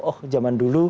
oh zaman dulu